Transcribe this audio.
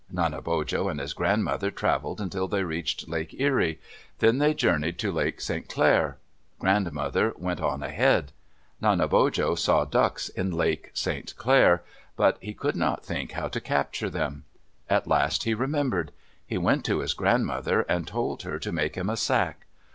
Nanebojo and his grandmother traveled until they reached Lake Erie. Then they journeyed to Lake St. Clair. Grandmother went on ahead. Nanebojo saw ducks in Lake St. Clair, but he could not think how to capture them. At last he remembered. He went to his grandmother and told her to make him a sack.